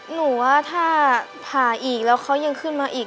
หนูว่าถ้าผ่าอีกแล้วเขายังขึ้นมาอีก